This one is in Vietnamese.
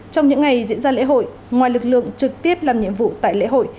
trong những ngày diễn ra lễ hội ngoài lực lượng trực tiếp làm nhiệm vụ tại lễ hội